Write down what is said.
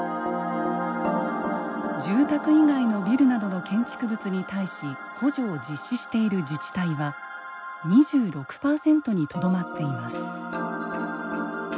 住宅以外のビルなどの建築物に対し補助を実施している自治体は２６％にとどまっています。